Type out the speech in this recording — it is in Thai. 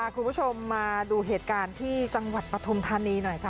คุณผู้ชมมาดูเหตุการณ์ที่จังหวัดปฐุมธานีหน่อยค่ะ